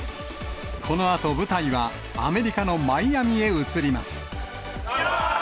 このあと、舞台はアメリカのマイアミへ移ります。